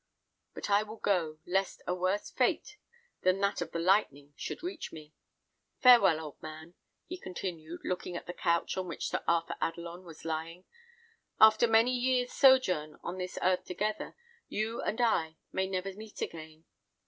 But I will go, lest a worse fate than that of the lightning should reach me. Farewell, old man!" he continued, looking at the couch on which Sir Arthur Adelon was lying; "after many years' sojourn on this earth together, you and I may never meet again.